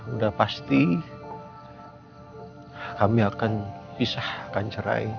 udah pasti kami akan pisah akan cerai